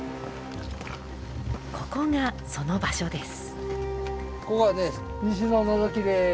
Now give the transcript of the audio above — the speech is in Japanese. ここがその場所です。